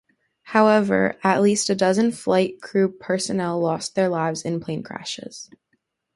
However, at least a dozen flight crew personnel lost their lives in plane crashes.